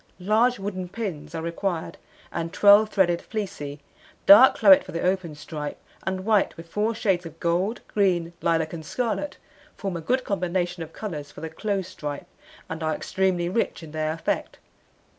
Large wooden pins are required, and 12 threaded fleecy, dark claret for the open stripe, and white, with 4 shades of gold, green, lilac, and scarlet, form a good combination of colours for the close stripe, and are extremely rich in their effect.